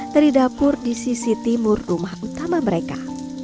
dari dapur di sisi timur rumah utama mereka